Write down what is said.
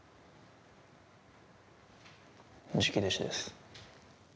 直弟子です。